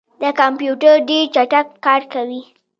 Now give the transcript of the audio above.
دا کمپیوټر ډېر چټک کار کوي.